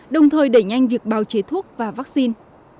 đồng thời đẩy nhanh việc bào chế thuốc và vắc xin